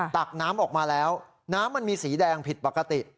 ตักน้ำออกมาแล้วน้ำมันมีสีแดงผิดปกติ